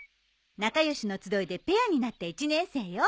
「なかよしの集い」でペアになった１年生よ。